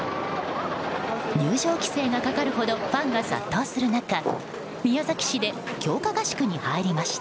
入場規制がかかるほどファンが殺到する中宮崎市で強化合宿に入りました。